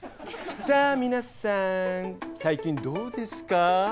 さあ皆さん最近どうですか？